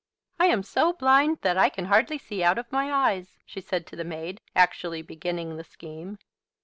"I am so blind that I can hardly see out of my eyes," she said to the maid, actually beginning the scheme.